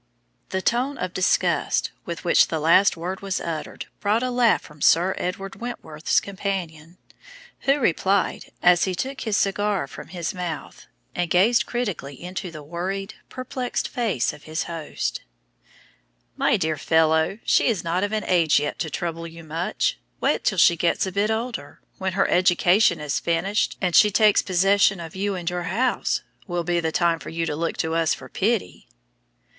The tone of disgust with which the last word was uttered brought a laugh from Sir Edward Wentworth's companion, who replied, as he took his cigar from his mouth and gazed critically into the worried, perplexed face of his host "My dear fellow, she is not of an age yet to trouble you much. Wait till she gets a bit older. When her education is finished, and she takes possession of you and your house, will be the time for you to look to us for pity!"